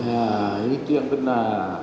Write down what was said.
ya itu yang benar